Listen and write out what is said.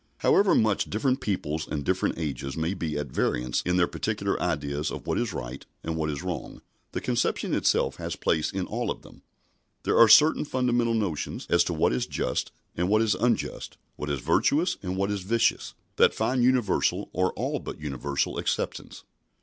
However much different peoples and different ages may be at variance in their particular ideas of what is right and what is wrong, the conception itself has place in all of them. There are certain fundamental notions as to what is just and what is unjust, what is virtuous and what is vicious, that find universal or all but universal acceptance.